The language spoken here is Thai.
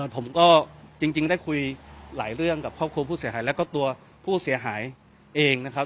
ผมก็จริงได้คุยหลายเรื่องกับครอบครัวผู้เสียหายแล้วก็ตัวผู้เสียหายเองนะครับ